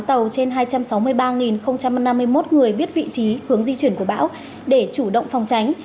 tàu trên hai trăm sáu mươi ba năm mươi một người biết vị trí hướng di chuyển của bão để chủ động phòng tránh